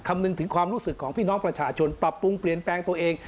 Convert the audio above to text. คำนึงถึงความรู้สึกของพี่น้องประชาชนปรับปรุงเปลี่ยนแปลงตัวเอง